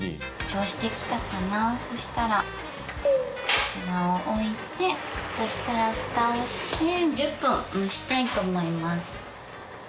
そしたらこちらを置いてそしたらふたをして１０分蒸したいと思います。